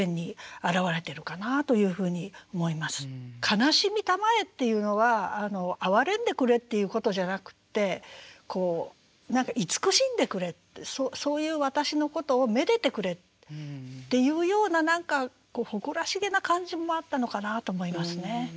「かなしみ給へ」っていうのは哀れんでくれっていうことじゃなくて慈しんでくれってそういう私のことをめでてくれっていうような何か誇らしげな感じもあったのかなと思いますね。